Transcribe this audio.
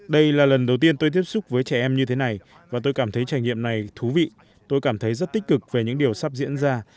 đây là lần đầu tiên tôi tiếp xúc với trẻ em như thế này và tôi cảm thấy trải nghiệm này thú vị tôi cảm thấy rất tích cực về những điều sắp diễn ra